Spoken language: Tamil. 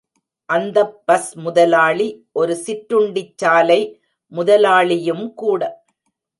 அந்தப் பஸ் முதலாளி ஒரு சிற்றுண்டிச்சாலை முதலாளியும்கூட.